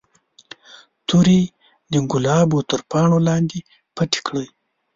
تورې د ګلابو تر پاڼو لاندې پټې کړئ.